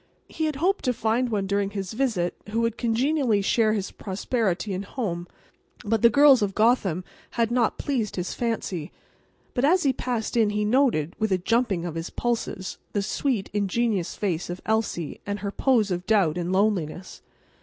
He had hoped to find one during his visit who would congenially share his prosperity and home, but the girls of Gotham had not pleased his fancy. But, as he passed in, he noted, with a jumping of his pulses, the sweet, ingenuous face of Elsie and her pose of doubt and loneliness.